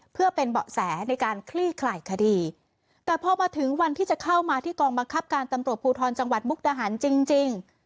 เพื่อเป็นเบาะแสในการคลี่คลายคดีแต่พอมาถึงวันที่จะเข้ามาที่กองบังคับการตำรวจภูทรจังหวัดมุกดาหารจริงจริง